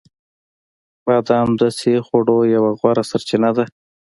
بادام د صحي خوړو یوه غوره سرچینه ده.